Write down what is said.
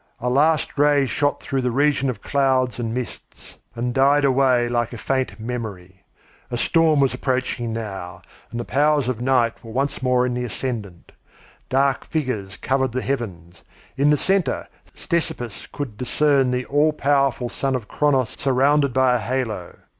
A last ray shot through the region of clouds and mists, and died away like a faint memory. A storm was approaching now, and the powers of night were once more in the ascendant. Dark figures covered the heavens. In the centre Ctesippus could discern the all powerful son of Cronos surrounded by a halo.